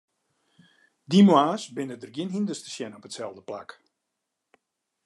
Dy moarns binne der gjin hynders te sjen op it stelde plak.